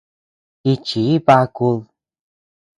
Jichi bakud.